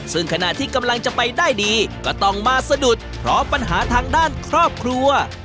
ซึ่งขณะที่กำลังจะไปได้ดีก็ต้องมาสะดุดเพราะปัญหาทางด้านครอบครัว